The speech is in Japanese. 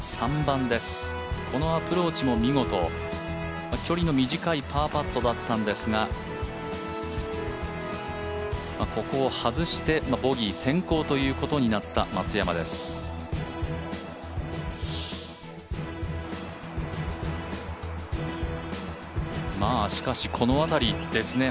３番です、このアプローチも見事、距離の短いパーパットだったんですがここを外してボギー先行ということになった松山英樹です。